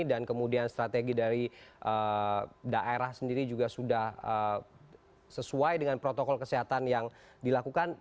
dan kemudian strategi dari daerah sendiri juga sudah sesuai dengan protokol kesehatan yang dilakukan